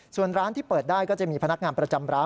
ส่วนร้านที่เปิดได้ก็จะมีพนักงานประจำร้าน